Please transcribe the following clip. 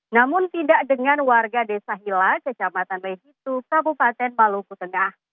namun tidak dengan warga desa hila kecamatan meitu kabupaten maluku tengah